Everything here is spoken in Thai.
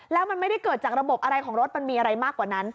แล้วมันไม่ได้เกิดจากระบบอะไรของรถมันมีอะไรมากกว่านั้น